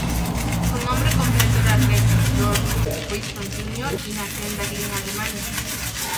Su nombre completo era Rex George Reason Jr., y nació en Berlín, Alemania.